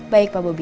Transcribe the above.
baik pak bobi